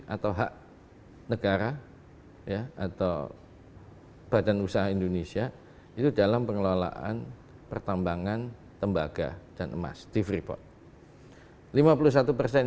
atau hak negara atau badan usaha indonesia itu dalam pengelolaan pertambangan tembaga dan emas di freeport